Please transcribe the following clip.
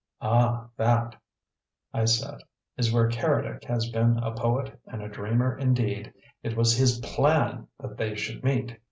"Ah, that," I said, "is where Keredec has been a poet and a dreamer indeed. It was his PLAN that they should meet."